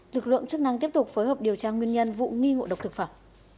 lực lượng chức năng tiếp tục phối hợp điều tra nguyên nhân vụ nghi ngộ độc thực phẩm